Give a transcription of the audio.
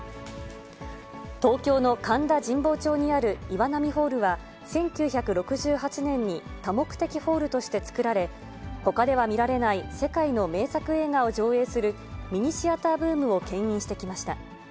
東京の神田神保町にある岩波ホールは、１９６８年に多目的ホールとして作られ、ほかでは見られない世界の名作映画を上映する、ミニシアターブームをけん引してきました。